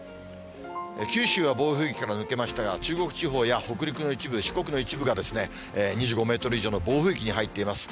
九州は暴風域から抜けましたが、中国地方や北陸の一部、四国の一部が、２５メートル以上の暴風域に入っています。